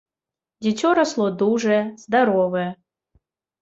Дзіцё расло дужае, здаровае.